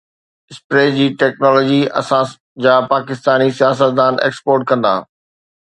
spray جي technology اسان جا پاڪستاني سياستدان ايڪسپورٽ ڪندا